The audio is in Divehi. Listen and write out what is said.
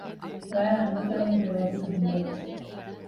ވައި އަނގަތެޅުމުގެ ވަގުތު ހިނގައްޖެ